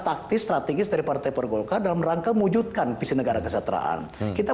taktis strategis dari partai pergolkar dalam rangka mewujudkan visi negara kesejahteraan kita